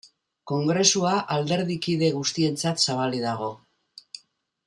Kongresua alderdikide guztientzat zabalik dago.